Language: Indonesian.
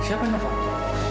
siapa ini pak